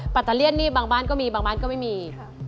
ปรัตเตอร์เลียนบางบ้านก็มีบางบ้านก็ไม่มี